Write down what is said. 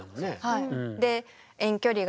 はい。